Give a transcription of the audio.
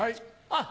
あっ！